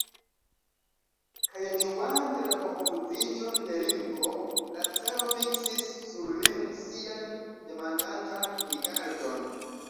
Kaj ĝuante la konfuziĝon de Ringo, la caro fiksis sur lin sian demandantan rigardon.